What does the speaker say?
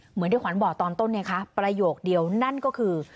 เหมือนที่ขวัญบอกตอนต้นไงคะประโยคเดียวนั่นก็คือ